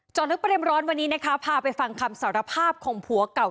ลึกประเด็นร้อนวันนี้นะคะพาไปฟังคำสารภาพของผัวเก่า